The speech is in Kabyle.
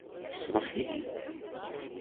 Tesṛuḥ-itt?